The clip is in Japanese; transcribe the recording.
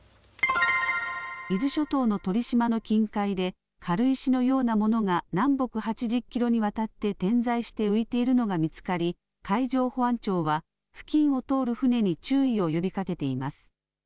伊豆諸島の鳥島の近海で軽石のようなものが南北８０キロにわたって点在して浮いているのが見つかり海上保安庁は付近を通る船に注意を呼びかけています。